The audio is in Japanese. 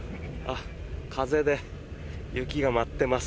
風で雪が舞っています。